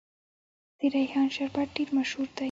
د ریحان شربت ډیر مشهور دی.